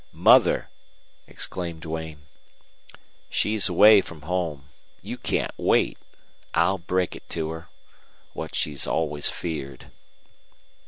"Mother!" exclaimed Duane. "She's away from home. You can't wait. I'll break it to her what she always feared."